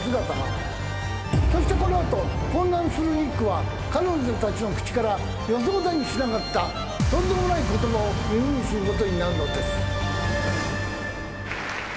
そしてこの後混乱するニックは彼女たちの口から予想だにしなかったとんでもない言葉を耳にすることになるのです。